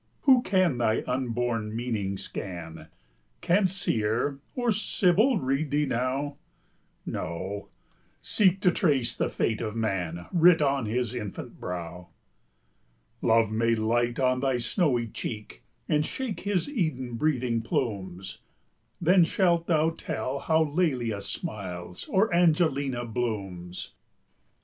Who can thy unborn meaning scan? Can Seer or Sibyl read thee now? No, seek to trace the fate of man Writ on his infant brow. Love may light on thy snowy cheek, And shake his Eden breathing plumes; Then shalt thou tell how Lelia smiles, Or Angelina blooms.